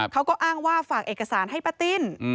เขาก็อ้างว่าฝากเอกสารให้ป้าติ้น